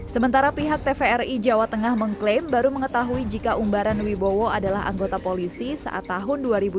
sementara pihak tvri jawa tengah mengklaim baru mengetahui jika umbaran wibowo adalah anggota polisi saat tahun dua ribu dua puluh